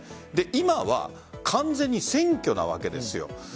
今は完全に選挙なわけですよ。